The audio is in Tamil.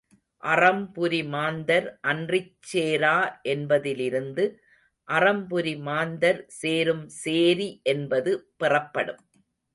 அறம்புரி மாந்தர் அன்றிச் சேரா என்பதிலிருந்து, அறம்புரி மாந்தர் சேரும்சேரி என்பது பெறப்படும்.